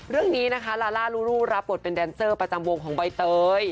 เรื่องนี้นะคะลาล่าลูรูรับบทเป็นแดนเซอร์ประจำวงของใบเตย